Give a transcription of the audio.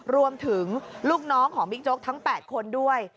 รวมถึงลูกน้องของบิ๊กโจ๊กทั้ง๘คนด้วย